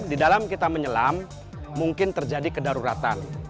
di dalam kita menyelam mungkin terjadi kedaruratan